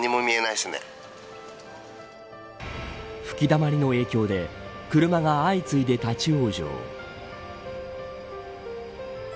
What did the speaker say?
吹きだまりの影響で車が相次いで立ち往生。